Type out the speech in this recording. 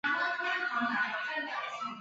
魔物不能烧毁自己的书。